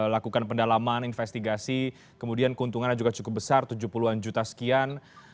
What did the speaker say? lakukan pendalaman investigasi kemudian keuntungannya juga cukup besar tujuh puluh an juta sekian